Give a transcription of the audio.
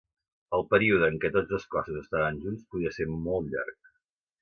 El període en què tots dos cossos estaven junts podia ser molt llarg.